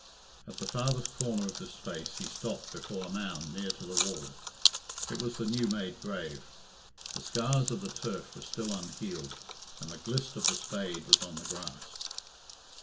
At the farthest corner of this space he stopped before a mound near to the wall. It was the new made grave. The scars of the turf were still unhealed, and the glist of the spade was on the grass.